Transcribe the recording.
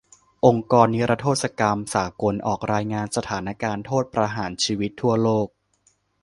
องค์กรนิรโทษกรรมสากลออกรายงานสถานการณ์โทษประหารชีวิตทั่วโลก